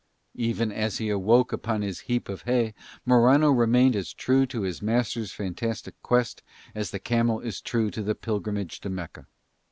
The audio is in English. Even as he awoke upon his heap of hay Morano remained as true to his master's fantastic quest as the camel is true to the pilgrimage to Mecca.